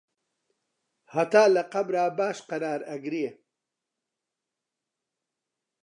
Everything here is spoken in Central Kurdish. هەتا لە قەبرا باش قەرار ئەگرێ